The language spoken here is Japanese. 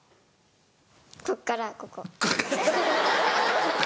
こっからここ。